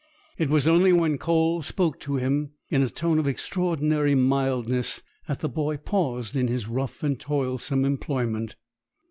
It was only when Cole spoke to him, in a tone of extraordinary mildness, that the boy paused in his rough and toilsome employment.